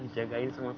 dijagain sama tuhan